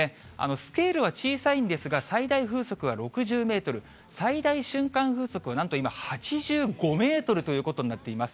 スケールは小さいんですが、最大風速は６０メートル、最大瞬間風速はなんと今８５メートルということになっています。